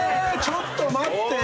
ちょっと待って！